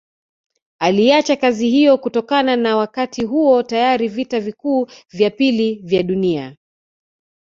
Aliacha kazi hiyo kutokana na Wakati huo tayari vita vikuu vya pili vya dunia